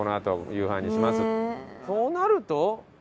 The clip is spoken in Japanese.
となると？